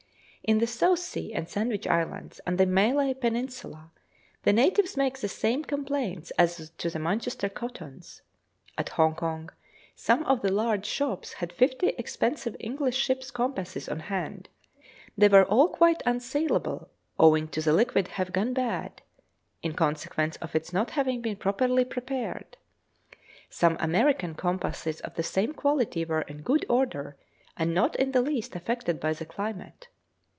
In the South Sea and Sandwich Islands, and in the Malay Peninsula, the natives make the same complaints as to the Manchester cottons. At Hongkong some of the large shops had fifty expensive English ships' compasses on hand; they were all quite unsaleable owing to the liquid having gone bad, in consequence of its not having been properly prepared. Some American compasses of the same quality were in good order and not in the least affected by the climate.